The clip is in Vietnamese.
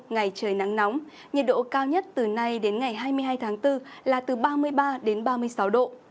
ngày trời nắng nóng nhiệt độ cao nhất từ nay đến ngày hai mươi hai tháng bốn là từ ba mươi ba đến ba mươi sáu độ